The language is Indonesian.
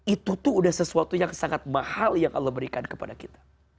itu tuh udah sesuatu yang sangat mahal yang allah berikan kepada kita